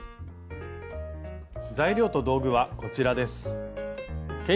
材料と道具はこちらです。